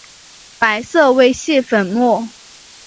白色微细粉末。